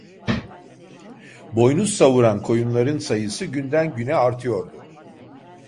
Boynuz savuran koyunların sayısı günden güne artıyordu.